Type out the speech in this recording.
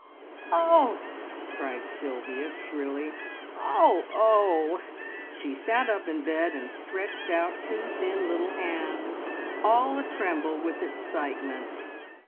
"Oh!" cried Sylvia shrilly. "Oh oh!" She sat up in bed and stretched out two thin little hands, all a tremble with excitement.